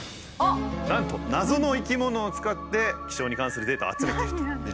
なんと謎の生き物を使って気象に関するデータを集めていると。